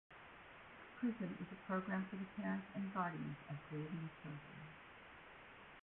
"Prism" is a program for the parents and guardians of grieving children.